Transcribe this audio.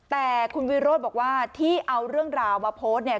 แต่คุณวิโรธบอกว่าที่เอาเรื่องราวมาโพสต์เนี่ย